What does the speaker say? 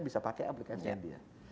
bisa pakai aplikasinya dia